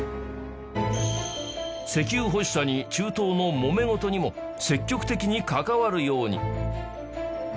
石油欲しさに中東のもめ事にも積極的に関わるように